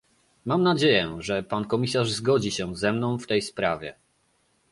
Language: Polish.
Mam nadzieję, że pan komisarz zgodzi się ze mną w tej sprawie